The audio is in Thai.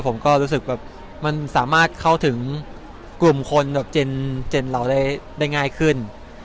ซึ่งรู้สึกว่ามันสามารถเข้าที่หลังกลุ่มคนแบบเจนจะได้ง่ายขึ้น